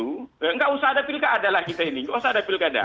tidak usah ada pilkada adalah kita ini nggak usah ada pilkada